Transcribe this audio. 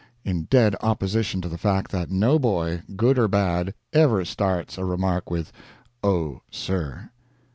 in dead opposition to the fact that no boy, good or bad, ever starts a remark with "Oh, sir."